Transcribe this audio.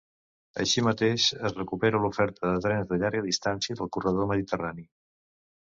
Així mateix, es recupera l’oferta de trens de llarga distància del corredor mediterrani.